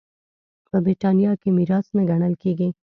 په برېټانیا کې میراث نه ګڼل کېږي.